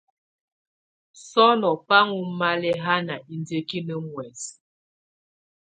Sɔnɔ̀ bà ɔ́ŋ malɛ̀hana indiǝ́kinǝ muɛsɛ.